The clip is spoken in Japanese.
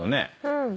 うん。